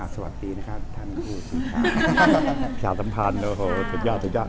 สวัสดีนะครับท่านประชาสัมพันธ์โอ้โหสุดยอดสุดยอด